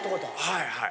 はいはい。